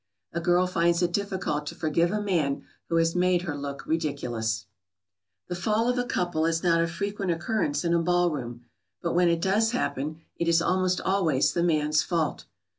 A girl finds it difficult to forgive a man who has made her look ridiculous. [Sidenote: A fall: generally the man's fault.] The fall of a couple is not a frequent occurrence in a ball room, but when it does happen it is almost always the man's fault.